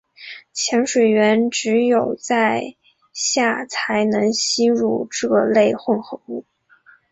潜水员只有在下才能吸入这类混合物。